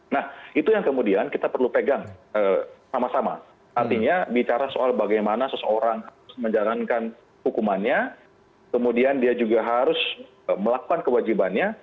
nah itu yang kemudian kita perlu pegang sama sama artinya bicara soal bagaimana seseorang harus menjalankan hukumannya kemudian dia juga harus melakukan kewajibannya